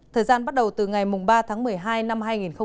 thời gian bắt đầu từ ngày ba tháng một mươi hai năm hai nghìn một mươi tám